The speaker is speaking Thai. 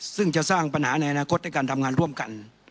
ซึ่งจะสร้างปัญหาในอนาคตในการทำงานร่วมกัน